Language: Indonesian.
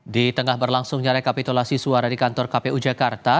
di tengah berlangsungnya rekapitulasi suara di kantor kpu jakarta